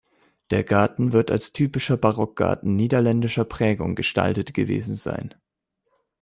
Der Garten wird als typischer Barockgarten niederländischer Prägung gestaltet gewesen sein.